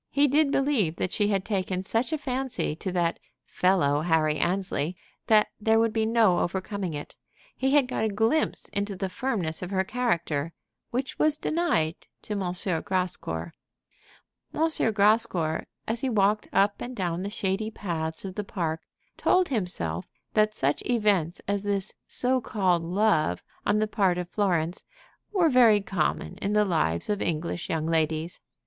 He did believe that she had taken such a fancy to that "fellow Harry Annesley" that there would be no overcoming it. He had got a glimpse into the firmness of her character which was denied to M. Grascour. M. Grascour, as he walked up and down the shady paths of the park, told himself that such events as this so called love on the part of Florence were very common in the lives of English young ladies.